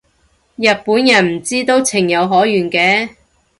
日本人唔知都情有可原嘅